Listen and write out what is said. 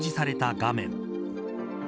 画面